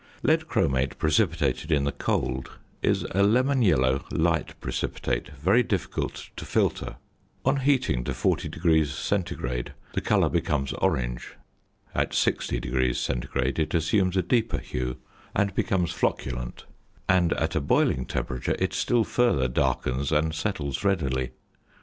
Lead chromate precipitated in the cold is a lemon yellow, light precipitate, very difficult to filter: on heating to 40° C. the colour becomes orange; at 60° C. it assumes a deeper hue, and becomes flocculent; and at a boiling temperature it still further darkens and settles readily.